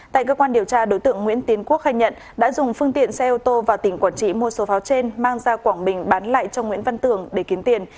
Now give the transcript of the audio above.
tại cơ quan điều tra đối tượng nguyễn tiến quốc khai nhận đã dùng phương tiện xe ô tô vào tỉnh quảng trị mua số pháo trên mang ra quảng bình bán lại cho nguyễn văn tường để kiếm tiền